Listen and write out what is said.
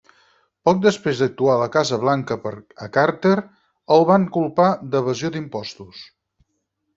Poc després d'actuar a la Casa Blanca per a Carter, el van culpar d'evasió d'impostos.